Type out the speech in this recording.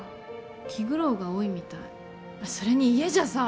気苦労が多いみたいあっそれに家じゃさ